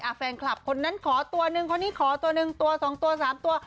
แฟนคลับคนนั้นขอตัวนึงคนนี้ขอตัวหนึ่งตัวสองตัวสามตัว